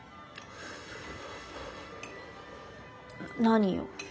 何よ。